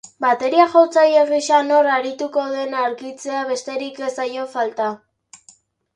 Bateria-jotzaile gisa nor arituko den argitzea besterik ez zaio falta.